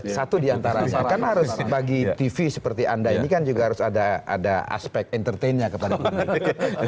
satu diantaranya kan harus bagi tv seperti anda ini kan juga harus ada aspek entertainnya kepada publik